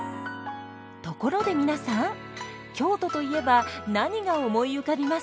ところで皆さん京都といえば何が思い浮かびますか？